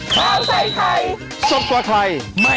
โปรดติดตามตอนต่อไป